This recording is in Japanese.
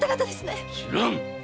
⁉知らん！